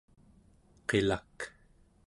qilak